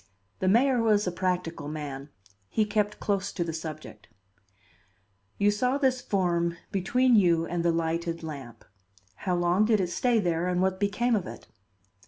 The mayor was a practical man; he kept close to the subject. "You saw this form between you and the lighted lamp. How long did it stay there and what became of it?"